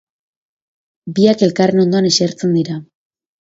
Biak elkarren ondoan esertzen dira.